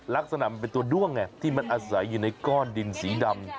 ลักษณะมันเป็นตัวด้วงไงที่มันอาศัยอยู่ในก้อนดินสีดำ